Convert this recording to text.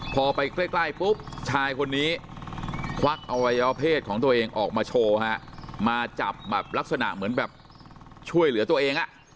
พอไปใกล้ปุ๊บชายคนนี้ควักอวัยวเพศของตัวเองออกมาโชว์ฮะมาจับแบบลักษณะเหมือนแบบช่วยเหลือตัวเอง